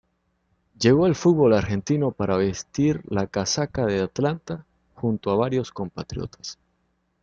Llegó al fútbol argentino para vestir la casaca de Atlanta, junto a varios compatriotas.